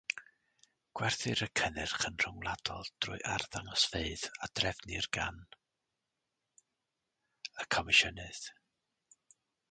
Gwerthir y cynnyrch yn rhyngwladol drwy arddangosfeydd a drefnir gan y comisiynydd.